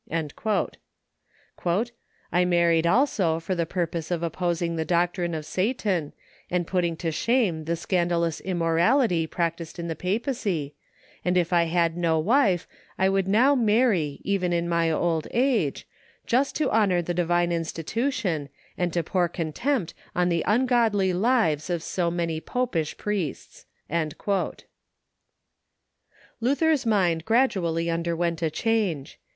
"I married also for the purpose of opposing the doctrine of Satan, and putting to shame the scandalous immorality practised in the papacy, and if I had no wife I would now marry even in my old age, just to honor the divine institution and to pour contempt on the ungodly lives of so many popish priests." Luther's mind gradually underwent a change.